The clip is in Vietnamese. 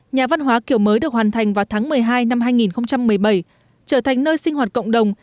nhà văn hóa kiểu mới được hoàn thành vào tháng một mươi hai năm hai nghìn một mươi bảy trở thành nơi sinh hoạt cộng đồng